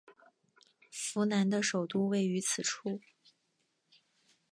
扶南的首都位于此处。